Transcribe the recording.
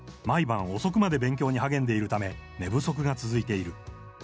毎晩遅くまで勉強に励んでいるため寝不足が続いている。